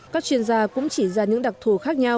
các chuyên gia cũng chỉ ra những đặc thù khác nhau